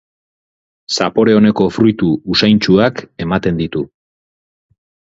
Zapore oneko fruitu usaintsuak ematen ditu.